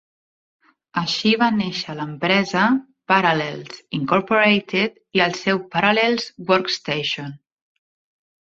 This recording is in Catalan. Així va néixer l'empresa Parallels, Incorporated i el seu Parallels Workstation.